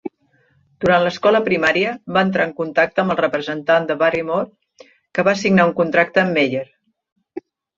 Durant l'escola primària, va entrar en contacte amb el representant de Barrymore, que va signar un contracte amb Meyer.